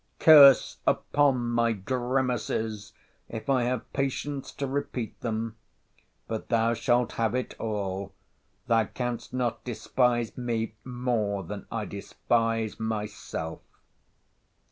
—— Curse upon my grimaces!—if I have patience to repeat them!—But thou shalt have it all—thou canst not despise me more than I despise myself!